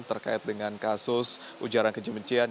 terkait dengan kasus ujaran kejebencian